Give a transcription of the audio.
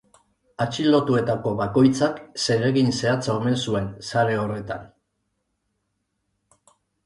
Atxilotuetako bakoitzak zeregin zehatza omen zuen sare horretan.